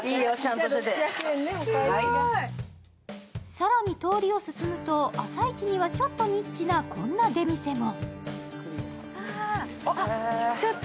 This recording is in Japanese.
更に通りを進むと、朝市にはちょっとニッチなこんな出店も。